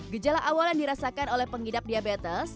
gejala awal yang dirasakan oleh pengidap diabetes